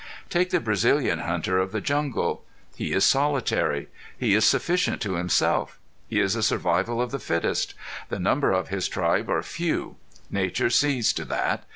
Take the Brazilian hunter of the jungle. He is solitary. He is sufficient to himself. He is a survival of the fittest. The number of his tribe are few. Nature sees to that.